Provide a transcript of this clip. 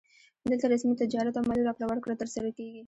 دلته رسمي تجارت او مالي راکړه ورکړه ترسره کیږي